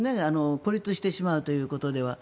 孤立してしまうということでは。